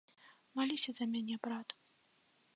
Маліся за мяне, брат.